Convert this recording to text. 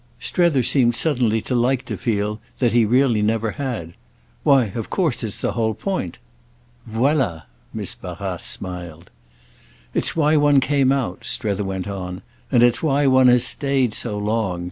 Strether seemed suddenly to like to feel that he really never had. "Why of course it's the whole point." "Voilà!" Miss Barrace smiled. "It's why one came out," Strether went on. "And it's why one has stayed so long.